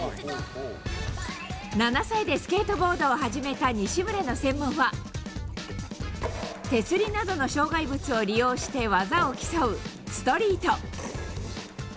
７歳でスケートボードを始めた西村の専門は手すりなどの障害物を利用して技を競うストリート。